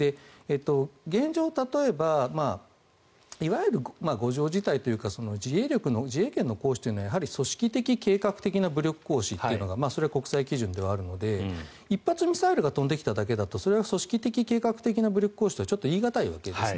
現状、例えばいわゆる５条事態というか自衛権の行使というのは組織的・計画的な武力行使というのがそれは国際基準ではあるので１発ミサイルが飛んできただけではそれは組織的・計画的武力行使とはちょっと言い難いわけです。